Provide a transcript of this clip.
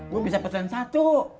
gue bisa pesen satu